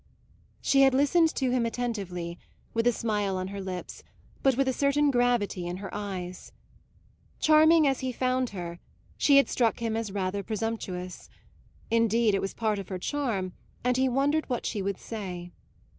She had listened to him attentively, with a smile on her lips, but with a certain gravity in her eyes. Charming as he found her, she had struck him as rather presumptuous indeed it was a part of her charm; and he wondered what she would say.